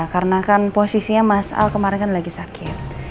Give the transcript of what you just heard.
karena kan posisinya mas al kemarin lagi sakit